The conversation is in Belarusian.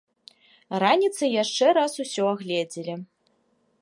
Раніцай яшчэ раз усё агледзелі.